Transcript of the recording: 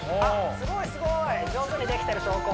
すごいすごい上手にできてる証拠